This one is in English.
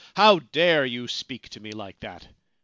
' How dare you speak to me like that